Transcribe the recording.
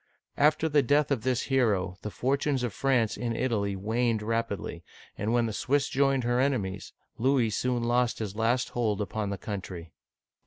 After the death of this hero, the fortunes of France in Italy waned rapidly, and when the Swiss joined her enemies, Louis soon lost his last hold upon the country.